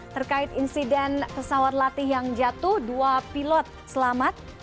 terkait insiden pesawat latih yang jatuh dua pilot selamat